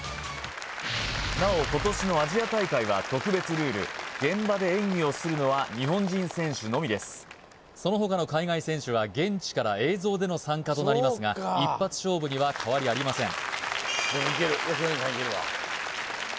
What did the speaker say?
なお今年のアジア大会は特別ルール現場で演技をするのは日本人選手のみですその他の海外選手は現地から映像での参加となりますが一発勝負には変わりありません